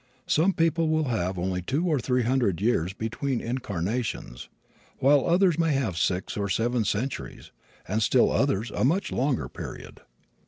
Some people will have only two or three hundred years between incarnations while others may have six or seven centuries and still others a much longer period.